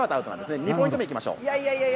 ２ポイント目いきましょう。